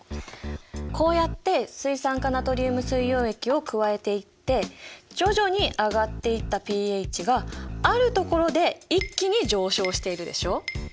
こうやって水酸化ナトリウム水溶液を加えていって徐々に上がっていったｐＨがある所で一気に上昇しているでしょ？